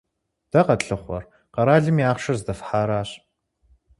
Дэ къэтлъыхъуэр къэралым и ахъшэр здэфхьаращ.